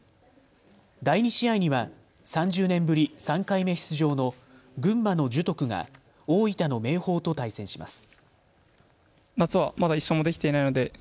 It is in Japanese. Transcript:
第２試合には３０年ぶり３回目出場の群馬の樹徳が大分の明豊と対戦します。